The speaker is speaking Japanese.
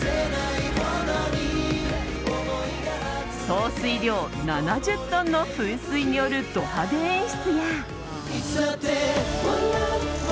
総水量７０トンの噴水によるド派手演出や。